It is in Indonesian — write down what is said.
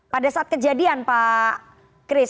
pada saat kejadian pak kris